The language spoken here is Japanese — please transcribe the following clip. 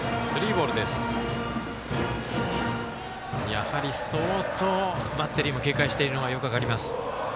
やはり、相当、バッテリーも警戒しているのがよく分かります。